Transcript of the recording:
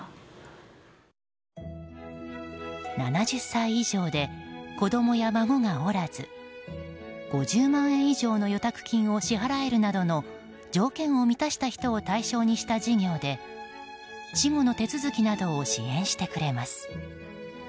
７０歳以上で子供や孫がおらず５０万円以上の預託金を支払えるなどの条件を満たした人を対象にした事業で死後の手続きなどを支援してくれます。